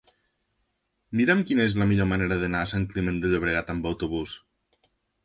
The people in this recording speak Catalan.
Mira'm quina és la millor manera d'anar a Sant Climent de Llobregat amb autobús.